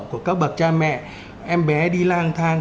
của các bậc cha mẹ em bé đi lang thang